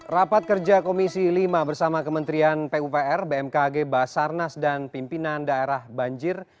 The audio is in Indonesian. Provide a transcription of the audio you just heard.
rapat kerja komisi lima bersama kementerian pupr bmkg basarnas dan pimpinan daerah banjir